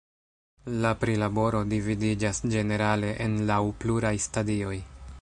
La prilaboro dividiĝas ĝenerale en laŭ pluraj stadioj.